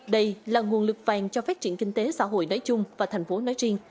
đây là nguồn lực vàng cho phát triển kinh tế xã hội nói chung và tp hcm nói riêng